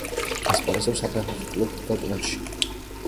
ასპარეზობს საფეხბურთო კლუბ „დორტმუნდში“.